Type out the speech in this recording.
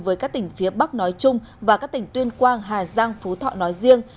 với các tỉnh phía bắc nói chung và các tỉnh tuyên quang hà giang phú thọ nói riêng